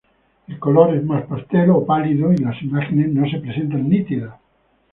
El color es más pastel o pálido y las imágenes no se presentan nítidas.